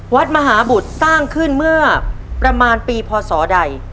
วัดมหาบุตรสร้างขึ้นเมื่อประมาณปีพศใด